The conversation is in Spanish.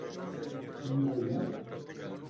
¿vivo yo?